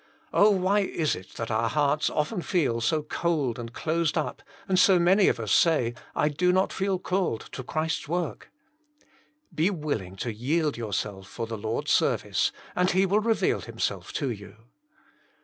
Oh, why is it that our hearts often feel so cold and closed up, and so many of us say, <* I do not feel called to Christ's work" ? Be willing to yield yourself for the Lord's service, and He will reveal Himself to you. 5 66 Jesus Himself. '■■■! I ■ I ^M 1.